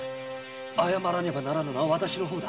謝らねばならぬのは私の方だ。